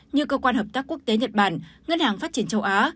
như cơ quan hợp tác quốc tế nhật bản ngân hàng phát triển châu á